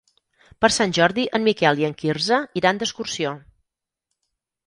Per Sant Jordi en Miquel i en Quirze iran d'excursió.